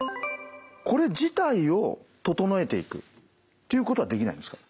これ自体を整えていくっていうことはできないんですか？